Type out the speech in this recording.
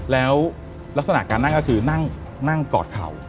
แล้วลักษณะการนั่งก็คือนั่งกอดเข่า